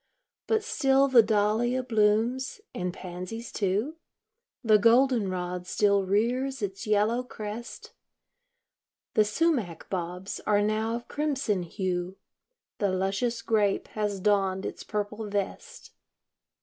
But still the dahlia blooms, and pansies, too; The golden rod still rears its yellow crest. The sumach bobs are now of crimson hue, The luscious grape has donned its purple vest.